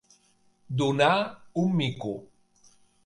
Donar un mico.